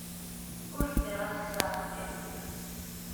Ur zmireɣ ad kkseɣ lligat-iw.